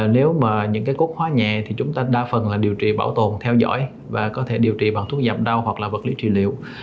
nếu mà những cái cốt hóa nhẹ thì chúng ta đa phần là điều trị bảo tồn theo dõi và có thể điều trị bằng thuốc giảm đau hoặc là vật lý trị liệu